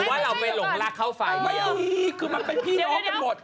หรือว่าเราไปหลงรักเข้าฝัย